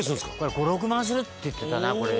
「５６万するって言ってたなこれで」